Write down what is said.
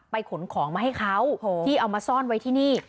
ขนของมาให้เขาที่เอามาซ่อนไว้ที่นี่